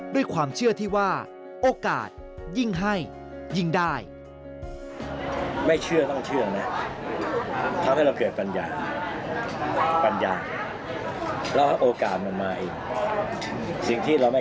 ด้วยความเชื่อที่ว่าโอกาสยิ่งให้ยิ่งได้